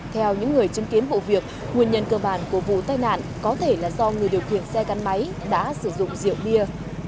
theo những người chứng kiến vụ việc nguyên nhân cơ bản của vụ tai nạn có thể là do người điều khiển xe gắn máy đã sử dụng rượu bia